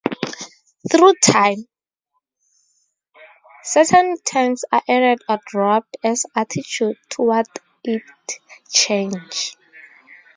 Through time, certain terms are added or dropped as attitudes toward it change.